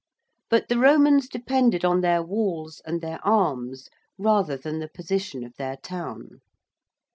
But the Romans depended on their walls and their arms rather than the position of their town.